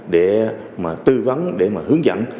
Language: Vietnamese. để mà tư vấn để mà hướng dẫn